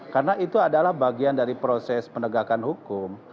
karena itu adalah bagian dari proses penegakan hukum